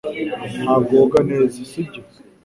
Ntabwo woga neza sibyo